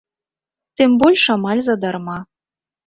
Тым больш амаль задарма.